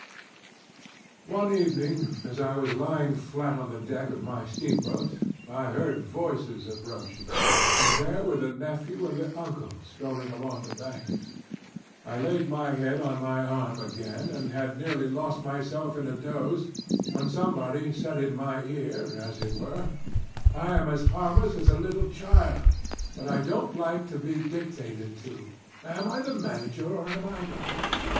II "One evening as I was lying flat on the deck of my steamboat, I heard voices approaching and there were the nephew and the uncle strolling along the bank. I laid my head on my arm again, and had nearly lost myself in a doze, when somebody said in my ear, as it were: 'I am as harmless as a little child, but I don't like to be dictated to. Am I the manager or am I not?